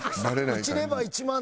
１レバー１万で。